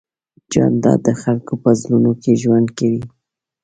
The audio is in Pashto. جانداد د خلکو په زړونو کې ژوند کوي.